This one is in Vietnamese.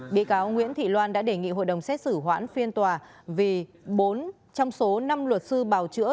bị cáo nguyễn thị loan đã đề nghị hội đồng xét xử hoãn phiên tòa vì bốn trong số năm luật sư bào chữa